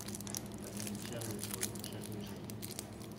Avenue Pierre Le Treut, Châteaugiron